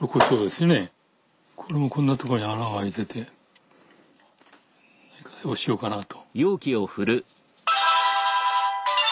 これもこんなところに穴があいててなんかお塩かなと。